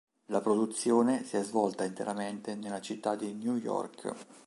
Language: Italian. La produzione si è svolta interamente nella città di New York.